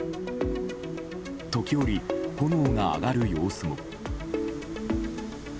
時折、炎が上がる様子も。